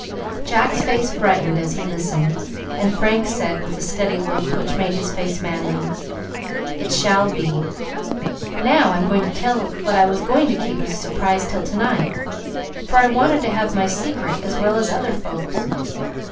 Jack's face brightened as he listened, and Frank said, with the steady look which made his face manly, "It shall be. Now I'll tell you what I was going to keep as a surprise till to night, for I wanted to have my secret as well as other folks.